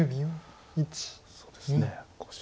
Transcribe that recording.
そうですね。